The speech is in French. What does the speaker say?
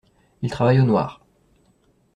Ils travaillent au noir.